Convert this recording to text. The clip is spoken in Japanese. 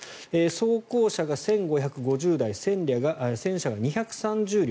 装甲車が１５５０台戦車が２３０両